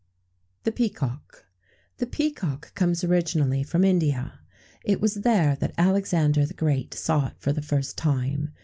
THE PEACOCK. The peacock comes originally from India: it was there that Alexander the Great saw it for the first time.